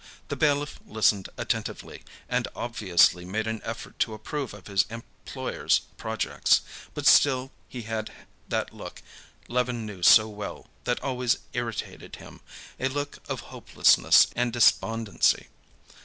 The bailiff listened attentively, and obviously made an effort to approve of his employer's projects. But still he had that look Levin knew so well that always irritated him, a look of hopelessness and despondency.